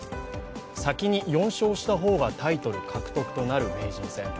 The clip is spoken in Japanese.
先に４勝した方がタイトル獲得となる名人戦。